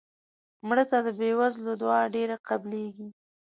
مړه ته د بې وزلو دعا ډېره قبلیږي